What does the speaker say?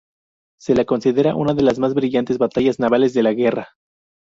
Se la considera una de las más brillantes batallas navales de la guerra.